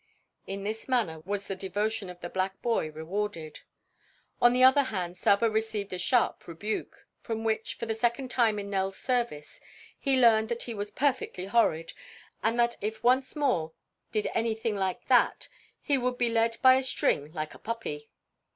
'" In this manner was the devotion of the black boy rewarded. On the other hand Saba received a sharp rebuke, from which, for the second time in Nell's service, he learned that he was perfectly horrid, and that if he once more did anything like that he would be led by a string like a puppy.